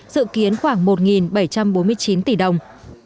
dự kiến khoảng một bảy trăm bốn mươi chín tỷ đồng